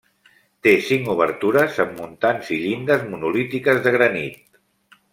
Té cinc obertures amb muntants i llindes monolítiques de granit.